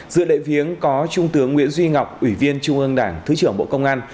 giữa đệ viếng có trung tướng nguyễn duy ngọc ủy viên trung ương đảng thứ trưởng bộ công an